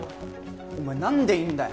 お前何でいんだよ